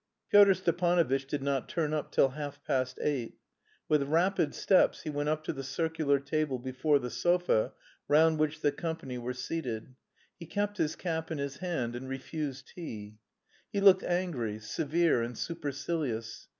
Pyotr Stepanovitch did not turn up till half past eight. With rapid steps he went up to the circular table before the sofa round which the company were seated; he kept his cap in his hand and refused tea. He looked angry, severe, and supercilious.